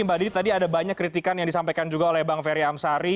mbak didi tadi ada banyak kritikan yang disampaikan juga oleh bang ferry amsari